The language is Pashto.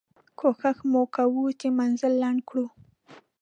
کوښښ مو کوه چې مزل لنډ کړو.